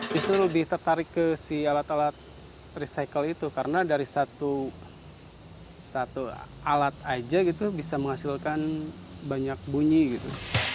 justru lebih tertarik ke si alat alat recycle itu karena dari satu alat aja gitu bisa menghasilkan banyak bunyi gitu